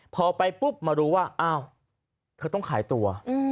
พอไปปุ๊บมารู้ว่าอ้าวเธอต้องขายตัว